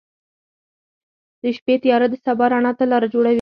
• د شپې تیاره د سبا رڼا ته لاره جوړوي.